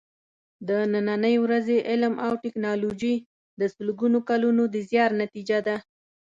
د نننۍ ورځې علم او ټېکنالوجي د سلګونو کالونو د زیار نتیجه ده.